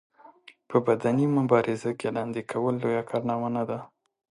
په بدني مبارزه کې لاندې کول لويه کارنامه نه ده.